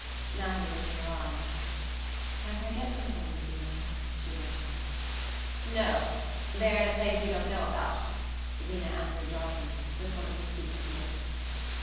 Mattie lifted her eyes. "Can't I get them for you, Zeena?" she ventured. "No. They're in a place you don't know about," Zeena answered darkly, with one of her secret looks.